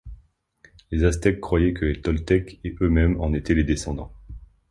Les Aztèques croyaient que les Toltèques et eux-mêmes en étaient les descendants.